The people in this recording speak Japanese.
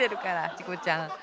チコちゃん。